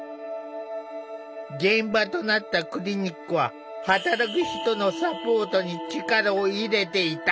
現場となったクリニックは働く人のサポートに力を入れていた。